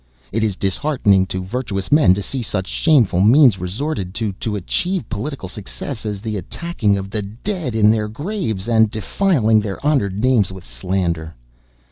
It is disheartening to virtuous men to see such shameful means resorted to to achieve political success as the attacking of the dead in their graves, and defiling their honored names with slander.